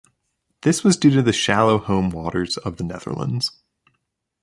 This was due to the shallow home waters of the Netherlands.